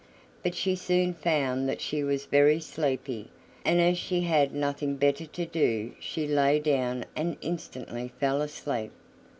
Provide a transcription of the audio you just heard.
But she soon found that she was very sleepy, and as she had nothing better to do she lay down and instantly fell asleep.